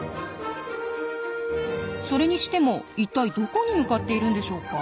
それにしても一体どこに向かっているんでしょうか。